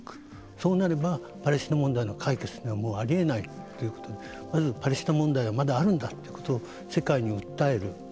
そうなればパレスチナ問題の解決はもうありえないということでパレスチナ問題がまだあるんだということを世界に訴える。